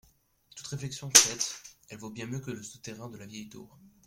Toute réflexion faite, elle vaut bien mieux que le souterrain de la vieille tour…